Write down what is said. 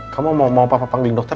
kamu mau papa panggil dokter